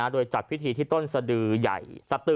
โดยจัดพิธีที่ต้นสตือใหญ่